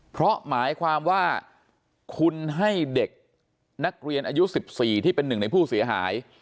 เพราะหมายความว่าคุณให้เด็กนักเรียนอายุ๑๔ที่เป็นหนึ่งในผู้เสียหาย